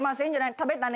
食べたね。